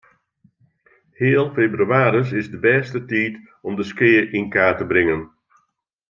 Heal febrewaris is de bêste tiid om de skea yn kaart te bringen.